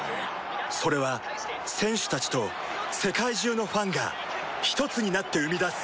それは選手たちと世界中のファンがひとつになって生み出す